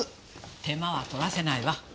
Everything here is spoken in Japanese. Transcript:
手間は取らせないわ。